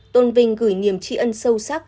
tôn vinh gửi niềm trí ân sâu sắc